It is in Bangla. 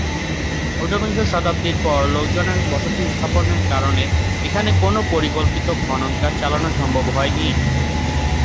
ঊনবিংশ শতাব্দীর পর লোকজনের বসতি স্থাপন কারণে এখানে কোন পরিকল্পিত খনন কাজ চালানো সম্ভব হয়নি।